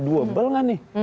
dwebel nggak nih